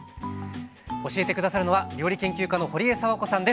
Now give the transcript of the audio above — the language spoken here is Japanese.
教えて下さるのは料理研究家のほりえさわこさんです。